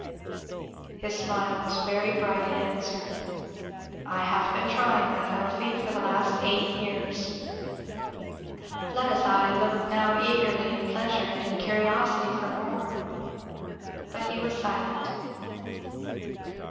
His smile was very bright in answer. "I have been trying that, Elfie, for the last eight years." Fleda's eye looked now eagerly in pleasure and in curiosity for more. But he was silent.